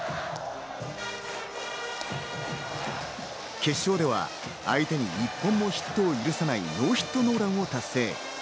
決勝では相手に１本もヒットを許さないノーヒットノーランを達成。